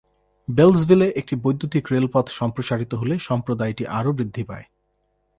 বেলসভিলে একটি বৈদ্যুতিক রেলপথ সম্প্রসারিত হলে সম্প্রদায়টি আরও বৃদ্ধি পায়।